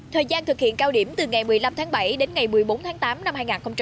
thời gian thực hiện cao điểm từ ngày một mươi năm tháng bảy đến ngày một mươi bốn tháng tám năm hai nghìn hai mươi